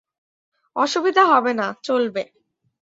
অসুবিধা হবে না, চলবে।